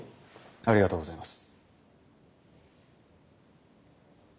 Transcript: ありがとうございます。